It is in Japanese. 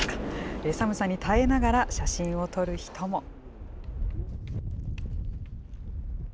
寒さに耐えながら、写真を撮る人も。